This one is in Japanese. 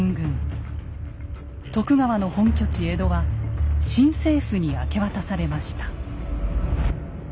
徳川の本拠地・江戸は新政府に明け渡されました。